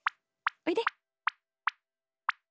おいで。